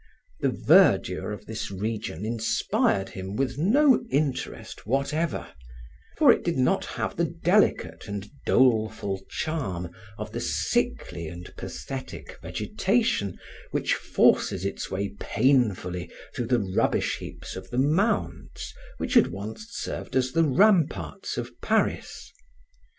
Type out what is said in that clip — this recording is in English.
The verdure of this region inspired him with no interest whatever, for it did not have the delicate and doleful charm of the sickly and pathetic vegetation which forces its way painfully through the rubbish heaps of the mounds which had once served as the ramparts of Paris.